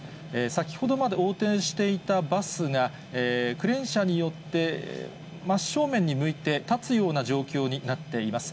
先ほどまで横転していたバスが、クレーン車によって真正面に向いて、立つような状況になっています。